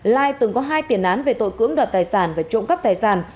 lai từng có hai tiền án về tội cưỡng đoạt tài sản và trộm cắp tài sản